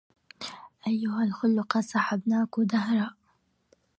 أيها الخل قد صحبناك دهرا